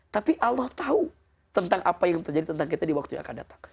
tapi allah tahu tentang apa yang terjadi tentang kita di waktu yang akan datang